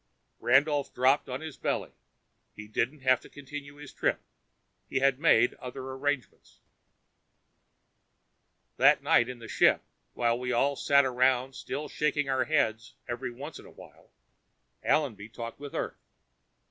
Randolph dropped flat on his belly. He didn't have to continue his trip. He had made other arrangements. That night in the ship, while we all sat around, still shaking our heads every once in a while, Allenby talked with Earth.